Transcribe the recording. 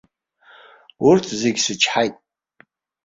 Урҭ зегьы сычҳаит.